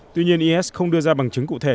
tuy nhiên is không đưa ra bằng chứng cụ thể